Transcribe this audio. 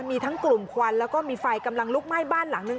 มีทั้งกลุ่มควันแล้วก็มีไฟกำลังลุกไหม้บ้านหลังนึง